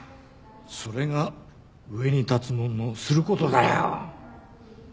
それが上に立つ者のする事だよ。